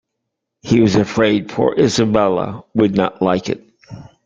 He was afraid poor Isabella would not like it.